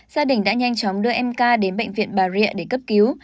gia đình đã nhanh chóng đưa em ca đến bệnh viện bà rịa để cấp cứu